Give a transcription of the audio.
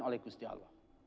oleh gusti allah